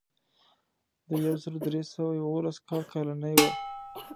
د یو زر درې سوه یوولس کال کالنۍ وه.